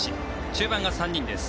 中盤が３人です。